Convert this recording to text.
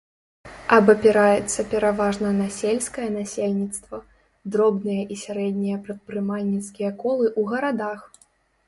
Абапіраецца пераважна на сельскае насельніцтва, дробныя і сярэднія прадпрымальніцкія колы ў гарадах.